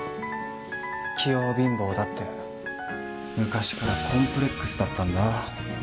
器用貧乏だって昔からコンプレックスだったんだ